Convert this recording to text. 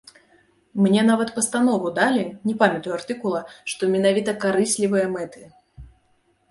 Мне нават пастанову далі, не памятаю артыкула, што менавіта карыслівыя мэты.